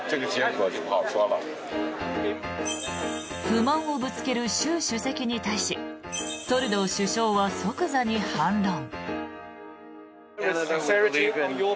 不満をぶつける習主席に対しトルドー首相は即座に反論。